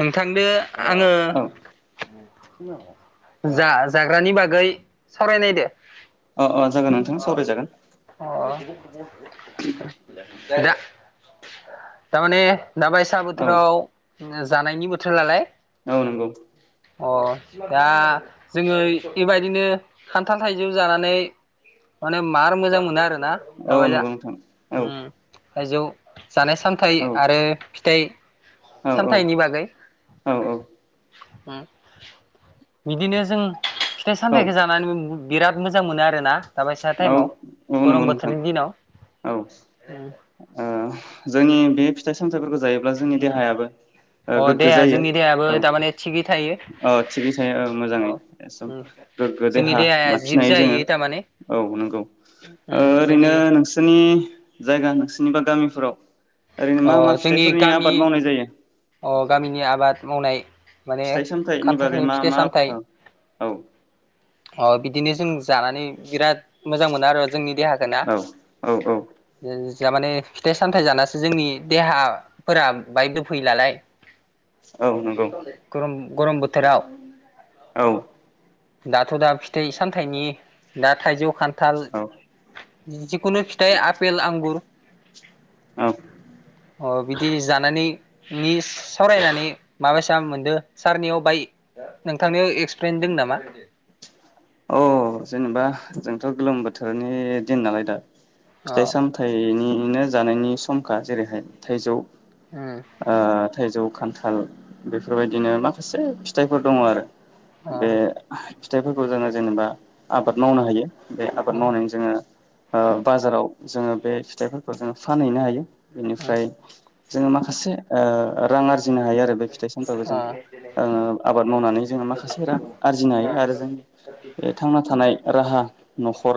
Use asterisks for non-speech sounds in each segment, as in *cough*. नोंथांदो आङो औ जा जाग्रानि बागै सावरायनायदो। अ अ जागोन नोंथां सावरायजागोन। अ दा दा माने माबायसा औ थ्राव जानायनि बोथोरालाय औ नंगौ अ दा जोङो बेबायदिनो खान्थाल थाइजौ जानानै माने मार मोजां मोनो आरोना औ दाबायजा नंगौ नोंथां औ उम थाइजौ जानाय सामथाइ औ आरो फिथाइ औ औ सामथाइनि बागै औ बिदिनो जों फिथाइ औ सामथाइखौ जानानै बिराद मोजां मोनो आरोना दाबायसा टाइमाव औ नंगौ गरम नोंथां बोथोरनि दिनाव औ ओ जोंनि बे फिथाइ सामथाइफोरखौ जायो। ब्ला जोंनि अ देहायाबो ओ गोगगो देहा जायो जोंनि देहायाबो औ थारमाने थिगै थायो औ थिगै थायो औ अ मोजाङै सब उम गोगो जोंनि देहा देहाया लाखिनो जिब हायो जोङो जाहैयो थारमाने औ नंगौ ओ उम जोंनि ओरैनो नोंसिनि जायगा नोंसिनि बा गामिफोराव ओरैनो अ मा मा जोंनि फिथाइफोरनि गामि आबाद मावनाय जायो अ गामिनि आबाद मावनाय माने फिथाइ सामथाइनि बागै खामथाखो मा फिथाइ मा सामथाइ ओं औ अ बिदिनो जों जानानै बिराद मोजां मोना आरो जोंनि देहाखौ ना औ औ औ या माने फिथाइ सामथायाइ जानासो जोंनि देहाफोरा बायक फैलालाय औ नंगौ खुम *inaudible* गरम बोथोराव औ दाथ' दा फिथाइ सामथाइनि दा थाइजौ खानथ औ *inaudible* कुनु फिथाइ आपेल आंगुर औ अ बिदि जानानै नि सावरायनानै माबासा मोनदों सारनियाव बाय नोंथांनियाव एक्सपिरियेन्स दं नामा औ जेनेबा जोंथ' गोलोम बोथोरनि दिन नालाय दा फिथाइ अ सामथायाइनिनो जानायनि समखा जेरैहाय थाइजौ उम आ थाइजौ खान थाल बेफोरबायदिनो माखासे फिथाइफोर दङ आरो बे अ फिथाइफोरखौ जानाय जेनेबा आबाद मावनो हायो बे आबाद अ उम अ मावनाय जोङो ओ बाजाराव जोङो बे फिथाइफोरखौ जोङो फानहैनो हायो बेनिफ्राय जोङो माखासे रां आरजिनो हायो आरो बे फिथाइ सामथफोरखौ जों अ आबाद मावनानै जोङो माखासे रां आरजिनो हायो आरो जोंनि उम बे थांना थानाय राहा न'खर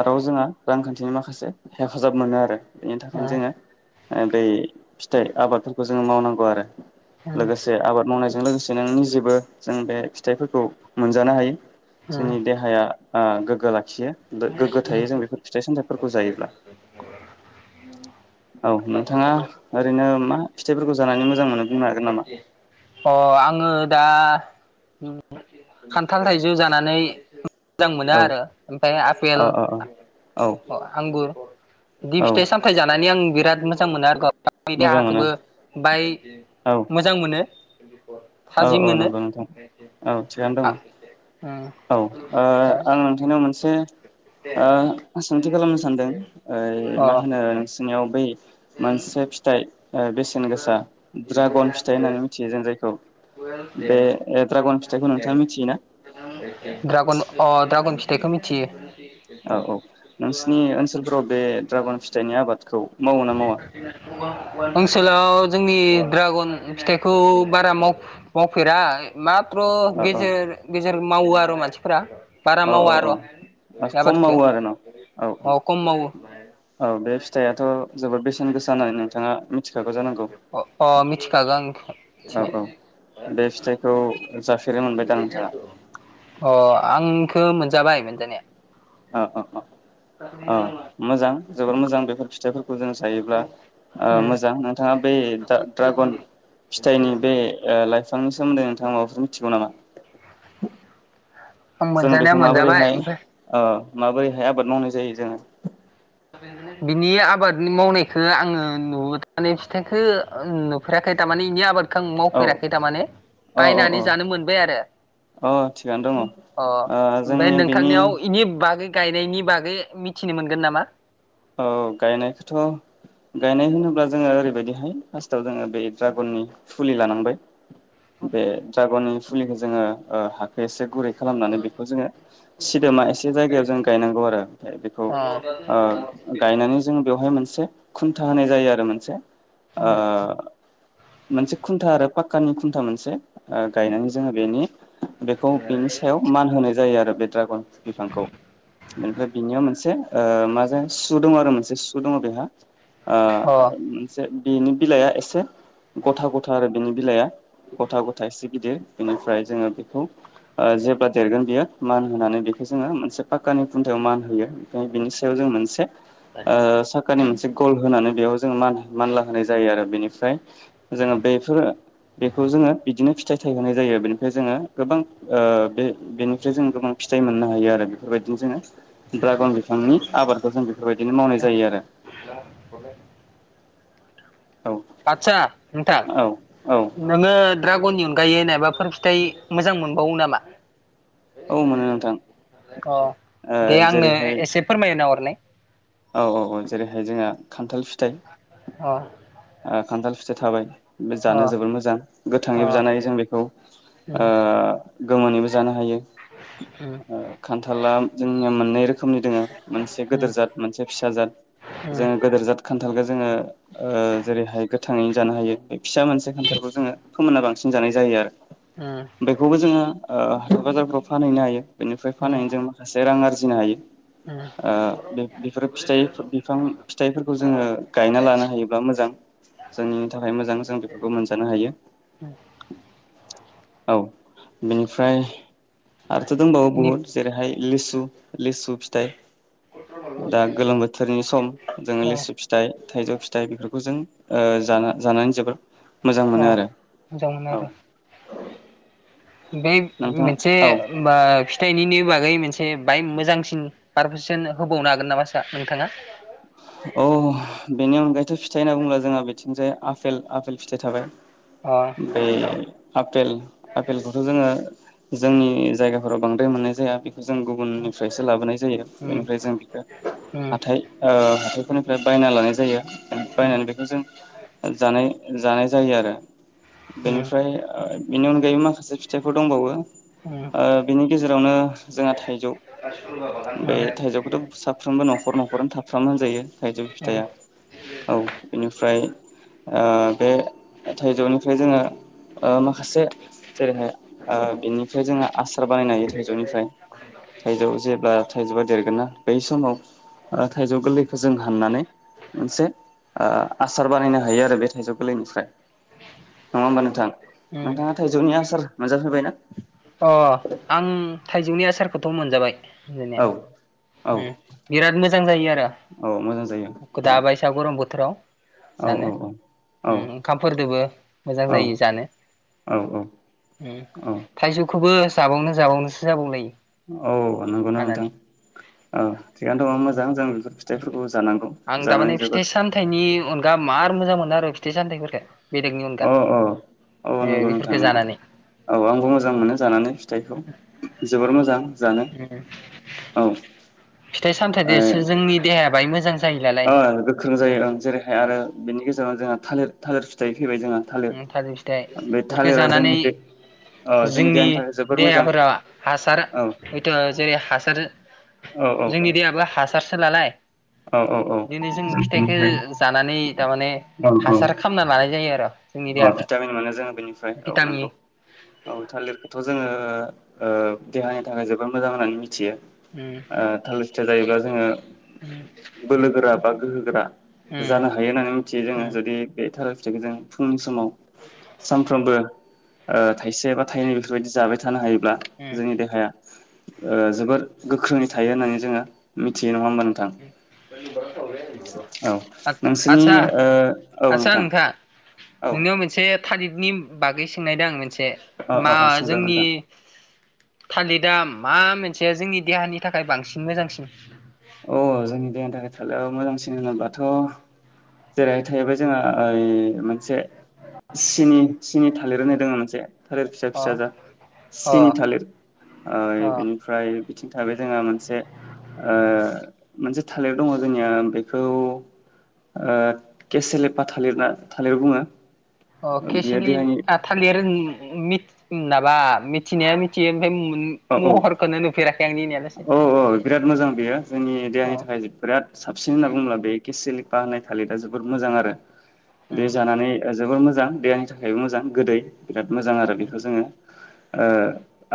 आरो जोंहा रांखान्थिनि माखासे माखासे हेफाजाब मोनो आरो बेनि थाखायनो जोङो ओ बै फिथाइ आबादफोरखौ जोङो मावनांगौ आरो लोगोसे आबाद मावनाय बेजों लोगोसे नि जेबो जों बे फिथाइफोरखौ मोनजानो हायो उम उम जोंनि देहाया अ गोगो सामथाइफोरखौ जायोब्ला। औ नोंथाङा ओरैनो मा फिथाइफोरखौ जानानै मोजां मोनो बुंनो हागोन नामा? अ आङो दा खान्थाल थाइजौ जानानै मोजां मोना औ आरो औ आपेल औ अ आंगुर बि औ फिथाइ सामथाइ जा आं बिराद मोजां मोनो आरो गावनि मोजां मोनो देहाखौबो बाय औ मोजां मोनो *inaudible* औ थाजिम औ नंगौ नोंथां औ थिगानो दङ मोनो अ औ आं नोंथांनाव मोनसे ओ सोंथि खालामनो सानदों मा होनो नोंनियाव बि मोनसे फिथाइ ओ बेसेन गोसा ड्रागन फिथाइ होननानै मिथियो जों जायखौ बे ड्रागन फिथाइखौ नोंथाङा मिथियोना ड्रागन अ दा ड्रागन फिथाइखो मिथियो। औ औ नोंसिनि ओनसोलफोराव बे ड्रागन फिथाइनि आबादखौ मावो ना मावा *unintelligible* सोलाव जोंनि ड्रागन फिथाइखौ बारा माव मावफेरा मा थ्र औ औ गेजेर गेजेर मावो आरो मानसिफोरा। बारा औ मावा आर' औ बे औ खम आबादखौ मावो आरो ना औ औ अ खम मावो औ बे फिथाइआथ' जोबोद बेसेन गोसा होननानै नोंथाङा मिथिखागौ जानांगौ। अ अ मिथिखागौ आं औ मिथिनाया औ बे फिथाइखौ जाफेरनो मोनबाय दा नोंथाङा? आंखो मोनजाबाय मोनजानाया। ओ ओ अ अ मोजां जोबोर मोजां बेफोर फिथाइफोर खौ जों जियोब्ला ओ मोजां नोंथाङा बे दा द्रागन फिथाइनि बे ओ लाइफां सोमोन्दै नोंथाङा माबाफोर मिथिगौ नामा? आं जों बेखौ मोनजानाया मोनजाबाय माबोरैहाय ओमफाय? ओ माबोरैहाय आबाद मावनाय जायो जोङो? बिनि आबादनि मावनायखो आङो नु *unintelligible* फिथाइखौ नुफेराखै थारमाने बिनि आबाद खो आं औ मावफेराखै थामाने औ बायनानै जानो मोनबाय आरो औ अ थिगानो दङ ओ अ ओमफ्राय जोंनि बिनि नोंथांनियाव इनि बागै गायनायनि बागै मिथिनो मोनगोन नामा? औ गायनायखोथ' गायनाय होनोब्ला जोङो ओरैबायदिहाय फार्स्टआव जोङो बे ड्रागननि फुलि लानांबाय। बे जागनि फुलिखो जोङो ओ हाग खो एसे गुरै खालामनानै बेखौ जोङो सिदोमा एसे जायगायाव जों गायनांगौ आरो फाय बेखौ अ ओ गायनानै जों बेवहाय मोनसे खुनथा होनाय जायो आरो मोनसे ओ मोनसे खुनथा आरो फा काननि खुनथा मोनसे ओ गायनानै जोङो बेनि बेखौ बिनि सायाव मान होनाय जायो आरो बे ड्रागन बिफांखौ बेनिफ्राय बिनियाव मोनसे ओ माजों सु दङ आरो मोनसे सु दङ बेहा। आ ओ मोनसे बिनि बिलाइया एसे ग'था ग'था आरो बेनि बिलाइया ग'था ग'था एसे गिदिर इनिफ्राय जोङो बेखौ ओ जेब्ला देरगोन बियो मान होनानै बेखौ जोङो मोनसे पाक्कानि खुनथायाव मानहोयो ओमफ्राय बिनि सायाव जों मोनसे ओ साकानि मोनसे गल होनानै बेयाव जोङो मान-मानला होनाय जायो आरो बेनिफ्राय जोङो बेफोरो बेखौ जोङो बिदिनो फिथाइ थायहोनाय जायो बेनिफ्राय जोङो गोबां ओ बे बेनिफ्राय जों गोबां फिथाइ मोननो हायो आरो बेफोरबायदिनो जोङो ड्रागन बिफांनि आबादखौ जों बेबायदिनो मावनाय जायो आरो आदसा नोंथां औ औ नोङो द्रा गननि अनगायै नाबाफोर फिथाइ मोजां मोनबावो नामा औ मोनो नोंथां अ ओ दे आंनो जेरैहाय एसे फोरमायना हरलाय औ औ औ जेरैहाय जोंहा खानथाल फिथाइ अ ओ खान्थाल फिथाइ थाबाय बे अ जानो जबोद मोजां गोथाङै अ जानाय जों बेखौ उम आ गोमोनैबो जानो हायो उम ओ खानथाला जोंनिया मोननै रोखोमनि दोङो मोनसे गोदोर जाथ मोनसे फिसा जाद उम जोङो उम गोदोर जाद खानथा थालखौ जोङो ओ जेरैहाय गोथाङैनो जानो हायो बे फिसा मोनसे खानथालखौ जोङो फोमोनना बांसिन जानाय जायो आरो उम बेखौबो जोङो ओ बाजारफ्राव फानहैनो हायो बेनिफ्राय उम फानायजों जों माखासे रां आरजि जिनो हायो उम ओ बेफोर फिथाइ बिफां फिथाइफोरखौ जोङो गायना लानो हायोब्ला मोजां जोंनि थाखाय मोजां जों बेफोरखौ मोनजानो हायो उम औ बेनिफ्राय आरोथ' दंबावो इनि बुहुद जेरैहाय लिसु लिसु फिथाय दा गोलोम बोथोरनि सम जोङो ओ लिसु फिथाइ थाइजौ फिथाइ बेफोरखौ जों ओ जाना-जानानै जोबोर मोजां ओ मोनो आरो मोजां मोनो औ आरो बे नोंथाङा मेनसे औ ओ फिथाइनिनि बागै मोनसे मोनसे बाय मोजांसिन पारफेसन होबावनो हागोन नामा सार नोंथाङा औ बेनि अनगायैथ' फिथाइ होनना बुङोब्ला जोंहा बिथिंजाय आफेल आफेल फिथाइ थाबाय अ बै आपेल आपेलखौथ' जोङो जोंनि जायगा फोराव बांद्राय मोननाय जाया बे जों गुबुननिफ्रायसो लाबोनाय जायो उम बेनिफ्राय जों बिखो उम हाथाय ओ हाथायफोरनिफ्राय बायना लानाय जायो उम बायनानै बेखौ जों जानाय जानाय जायो आरो। उम उम बेनिफ्राय ओ बेनि अनगायैबो माखासे फिथाइफोर दंबावो उम ओ बिनि गेजेरावनो जोंहा था थाइजौ बे थाइजौखौथ' साफ्रोमबो न'खर न'खरनो था खालामनान जायो थाइजौ फिथाइया औ इनिफ्राय ओ बे थाइजौनिफ्राय जों ङो ओ माखासे जेरैहाय ओ बिनिफ्राय जोङो आसार बानायनो हायो थाइजौनिफ्राय थाइजौ जेब्ला थाइजौआ देरगोनना बै समाव थाइजौ गोरलैखौ जों हाननानै मोनसे ओ आसार बानायनो हायो आरो बे थाइजौ गोरलैनिफ्राय। नङा होमबा नोंथां? उम नोंथाङा थाइजौनि आसार मोनजाफेरबाय ना? *inaudible* अ आं थाइजौनि आसारखौथ' मोनजाबाय। मोनजानाया औ औ उम बिराद मोजां जायो आरो औ मोजां जायो औ दा बायसा गरम बोथ राव औ जानो औ उम ओंखामफोरदोबो मोजां औ जायो जानो औ औ उम। खौबो जाबावनो जाबावनोसो जाबावलायो। औ नोंगौना नोंथां हानानै औ थिगानोथ' मोजां जों बेफोर फिथाइफोरखौ जानांगौ आं जानानै थामाने जोबोद फिथाइ सामथाइनि अनगा मार मोजां मोनो आरो फिथाइ सामथाइफोरखो। अ अ अ नंगौ नोंथां बेफोरखौ नंगौ जानानै औ आंबो मोजां मोनो जानानै फिथाइखौ जोबोर मोजां जानो उम औ। सामथाइदोसो जोंनि देहाया बाय मोजां जायो नालाय ओ गोख्रों उम जायो ओं जेरैहाय आरो माने बेनि गेजेरावनो जोंहा थालिर थालिर फिथाइ फैबाय जोंहा उम थालिर फिथाइ बे इखो थालिरा जानानै जोंनि बे ओ जोंनि देहानि थाखाय जोबोर मोजां देहाफोरा हासार औ होयथ' जेरै हासार औ औ जोंनि देहाबो हासारसो होला लाय औ औ औ बिदिनो जों फिथाइखो जानानै थामाने हासार खालामना लानाय जायो आरो। जोंनि अ देहाखौ भिटामिन मोनो जोंङो बेनिफ्राय औ भिटामिन नंगौ औ थालिरखौथ' जोंङो ओ देहानि थाखाय जोबोद मोजां होननानै मिथियो। उम ओ थालिर फिथाइ जायोब्ला जोंङो उम बोलो गोरा बा गोहो गोरा उम जानो हायो होननानै मिथियो जोंङो उम जुदि बे थालिर फिथाइखौ जों समाव सानफ्रोमबो ओ थाइसे बा थाइनै बेफोरबायदि जाबाय थानो हायो थायोब्ला उम जोंनि देहाया ओ जोबोर गोख्रोङै थायो होननानै जोंङो मिथियो *unintelligible* नंङामोन औ *unintelligible* आ नोंसोरनि आसा ओ आसाया नोंथां औ नोंनि आव मोनसे थालिरखनि बागै सोंनायदों आं मोन मोनसे अ अ मा अ सोंजागोन जोंनि नोंथां थालिरदाया मा मोनसे जोंनि देहानि थाखाय बांसिन मोजांसिन अ जोंनि देहानि थाखाय थालिराव मोजांसिन होनोब्लाथ' जेरैहाय थाहैबाय जोंहा ओइ मोनसे सिनि सिनि थालिर होनाय दंङो मोनसे थालिर फिसा - अ फिसा जा अ सिनि थालिर अ बिनिफ्राय बिथिं थाहैबाय जोंहा मोनसे मोनसे थालिर दंङो जोंनिया बेखौ ओ केसेलेपा थालिर थालिर बुंङो। अ केसिलि थालिर *unintelligible* *unintelligible* मिथिनाया मिथियो ओम औ - औ - औ - औ बिराद मोजां बेयो जोंनि अ देहानि थाखाय बिराद साबसिन होनना बुंङोब्ला बे केसिलि बानाय थालिरा जोबोद मोजां आरो उम बे जानानै जोबोर मोजां देहानि थाखायबो मोजां गोदै बिराद मोजां आरो उम बेखौ जोंङो ओ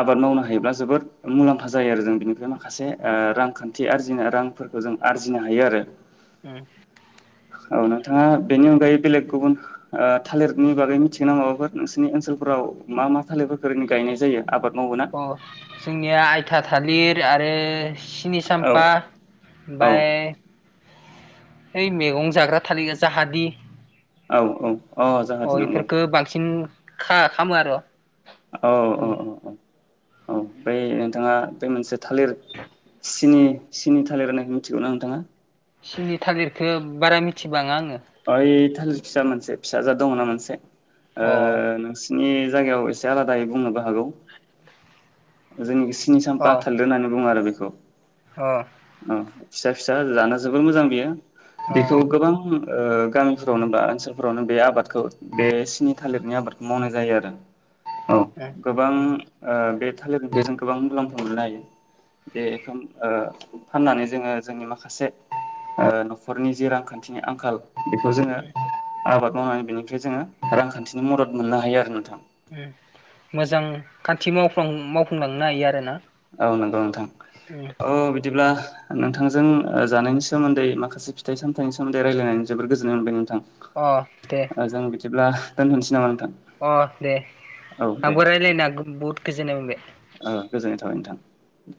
आबाद मावनो हाय हायोब्ला जोबोद मुलाम्फा जायो आरो जों बिनिफ्राय माखासे ओ रांखान्थि आरजिनो रांफोरखौ जों आरजिनो हायो आरो उम औ नोंथाङा बेनि अनगायै बेलेग गुबुन ओ थालिरनि बागै मिथिगोना माबाफोर नोंसोरनि ओनसोलफोराव मा मा थालिरफोरखौ ओरैनै गायनाय जायो? आबाद मावोना अ जोंनिया आइथा थालिर आरो सिनि औ सामपा औ ओमफ्राय ओइ मैगं जाग्रा थालिरआ जाहादि औ औ अ जाहाथे नंगौ बेफोरफोरखौ बांसिन खा खाम आरो औ-औ-औ-औ औ बै नोंथाङा बे मोनसे थालिर सिनि सिनि थालिर होननायखौ मिथिगौ ना नोंथाङा? सिनि थालिरखौ बारा मिथिबाङा आङो ओइ थालिर फिसा मोनसे फिसा जाद दंना मोनसे ओ अ बिनि जायगायाव एसे आलादायै बुंनोबो हागौ। जोंनिखि सिनि अ सामपा थालिर होनना बुङो आरो बे खौ अ फिसा फिसा जाना जोबोर मोजां बियो बेखौ अ गोबां ओ गामिफोरावनो बा ओनसोलफोरावनो बे आबादखौ बे सिनि थालिरनि आबादखौ मावनाय जायो आरो औ उम गोबां ओ बे थालिर बेजों गोबां मुलाम्फा मोननो हायो बे बेखौ फाननानै जोङो जोंनि माखासे न'खरनि जे रांखानथिनि आंखाल बेखौ जोङो आबाद मावनानै बेनिफ्राय जोङो रांखान्थिनि मदद मोननो हायो आरो नोंथां उम मोजां खान्थि मावफ्लां मावफुंलांनो हायो आरो ना औ नंगौ नोंथां औ बिदिब्ला नोंथांजों जानायनि ओ सोमोनदै माखासे फिथाइ सामथाइनि सोमोन्दै रायलायनानै जोबोद गोजोननाय मोनबाय अ दे नोंथां। जों बिदिब्ला दोथनोसै नामा नों अ दे आंबो रायलायना बहुद गोजोननाय मोनबाय औ गोजोननाय थाबाय नोंथां